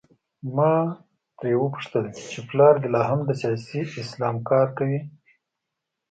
ما ترې وپوښتل چې پلار دې لا هم د سیاسي اسلام کار کوي؟